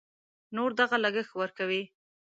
نور دغه لګښت ورکوي.